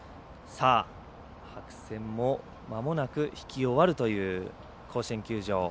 白線も、まもなく引き終わるという甲子園球場。